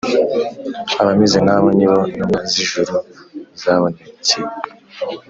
. Abameze nk’abo nibo intumwa z’ijuru zabonekeye